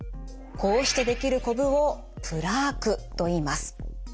こうしてできるこぶをプラークといいます。